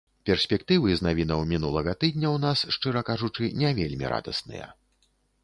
Перспектывы з навінаў мінулага тыдня ў нас, шчыра кажучы, не вельмі радасныя.